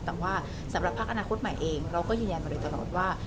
แต่ว่าสำหรับพักอนาคตใหม่เองเราก็ยืนยันมาโดยตลอดว่า